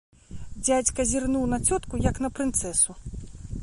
Дзядзька зірнуў на цётку, як на прынцэсу.